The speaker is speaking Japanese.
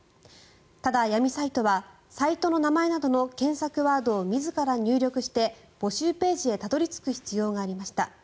ただ、闇サイトはサイトの名前などの検索ワードを自ら入力して、募集ページへたどり着く必要がありました。